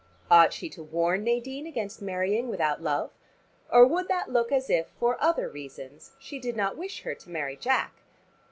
Ought she to warn Nadine against marrying without love? Or would that look as if, for other reasons, she did not wish her to marry Jack?